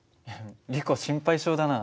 リコ心配性だな。